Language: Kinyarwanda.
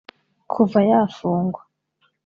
Kuva yafungwa